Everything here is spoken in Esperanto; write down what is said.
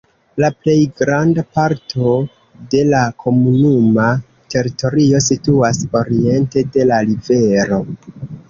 La plej granda parto de la komunuma teritorio situas oriente de la rivero.